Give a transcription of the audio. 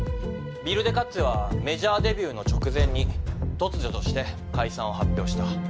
ＷＩＬＤＥＫＡＴＺＥはメジャーデビューの直前に突如として解散を発表した。